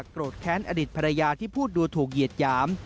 โกรธแค้นอดีตภรรยาที่พูดดูถูกเหยียดหยาม